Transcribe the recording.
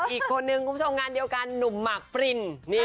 อีกคนนึงคุณผู้ชมงานเดียวกันหนุ่มหมากปริน